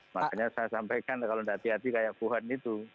makanya saya sampaikan kalau tidak hati hati kayak buhan itu